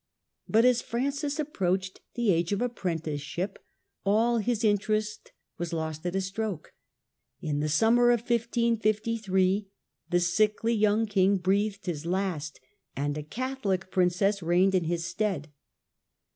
But as Francis approached the age of apprenticeship all his interest was lost at a stroke. In the summer of 1553 the sickly young king breathed ^^ E his last^ and a Catholic princess^ reigned in his stead.